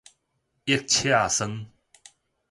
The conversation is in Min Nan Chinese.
溢刺酸